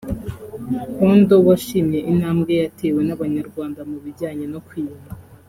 Kondo washimye intambwe yatewe n’Abanyarwanda mu bijyanye no kwiyunga